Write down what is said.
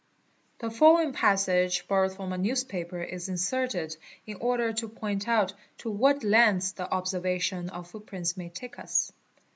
* The following passage borrowed from a newspaper is inserted in order } to point out to what lengths the observation of footprints may take us.